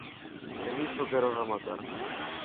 E niso quero rematar.